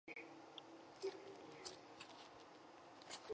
第三次全国文物普查新发现。